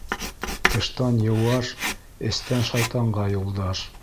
Тыштан йыуаш, эстән шайтанға юлдаш.